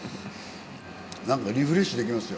何かリフレッシュできますよ